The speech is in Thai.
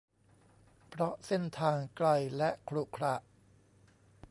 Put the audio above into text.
เพราะเส้นทางไกลและขรุขระ